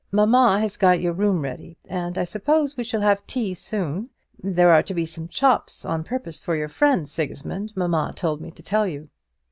Mamma has got your room ready; and I suppose we shall have tea soon. There are to be some chops on purpose for your friend, Sigismund, mamma told me to tell you."